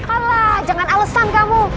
alah jangan alesan kamu